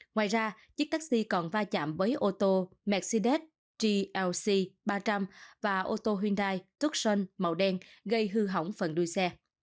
ngoài ra chiếc taxi còn va chạm với ô tô mercedes glc ba trăm linh và ô tô hyundai thuốc sơn màu đen gây hư hỏng phần đuôi xe